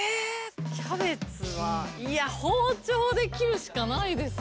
キャベツはいや包丁で切るしかないですよね？